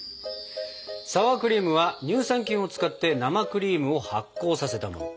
サワークリームは乳酸菌を使って生クリームを発酵させたもの。